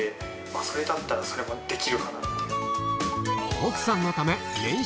それだったらそれもできるかなっていう。